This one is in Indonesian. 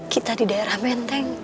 kita di daerah menteng